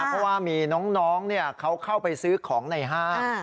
เพราะว่ามีน้องเขาเข้าไปซื้อของในห้าง